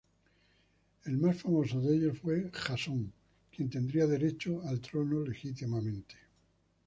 El más famoso de ellos fue Jasón, quien tendría derecho al trono legítimamente.